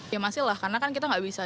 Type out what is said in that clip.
ya masih lah karena kan kita nggak bisa